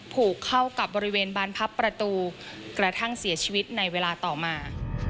ผูกเข้ากับบริเวณบานพับประตูกระทั่งเสียชีวิตในเวลาต่อมา